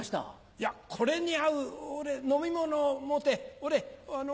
いやこれに合う飲み物を持てほれ。